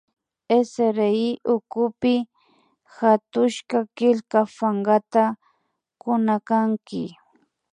SRI ukupi hatushka killa pankata kunakanki